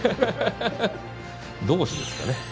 同志ですかね。